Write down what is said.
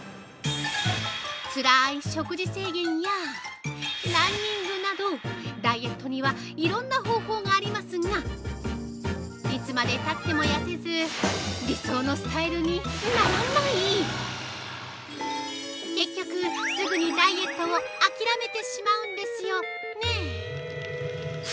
つらい食事制限やランニングなどダイエットにはいろんな方法がありますがいつまでたっても痩せず理想のスタイルにならない結局すぐにダイエットを諦めてしまうんですよね。